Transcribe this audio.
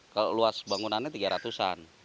kalau luas bangunannya tiga ratus an